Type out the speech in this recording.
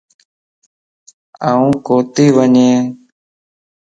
آن ڪوتي وڃين